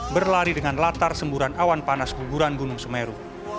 berlari dengan latar semburan awan panas guguran gunung semeru